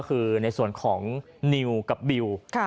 ก็ได้พลังเท่าไหร่ครับ